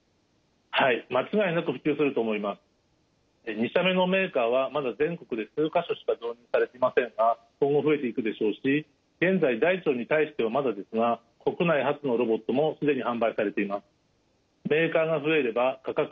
２社目のメーカーはまだ全国で数か所しか導入されていませんが今後増えていくでしょうし現在大腸に対してはまだですが国内初のロボットも既に販売されています。